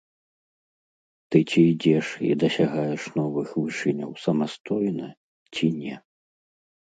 Ты ці ідзеш і дасягаеш новых вышыняў самастойна, ці не.